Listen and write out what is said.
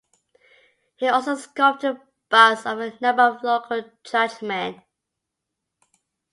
He also sculpted busts of a number of local churchmen.